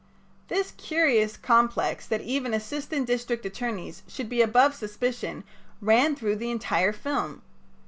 '" This curious complex that even assistant district attorneys should be above suspicion ran through the entire film.